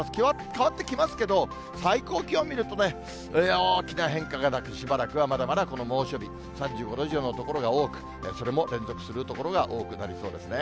変わってきますけど、最高気温見るとね、大きな変化がなく、しばらくはまだまだこの猛暑日、３５度以上の所が多く、それも連続する所が多くなりそうですね。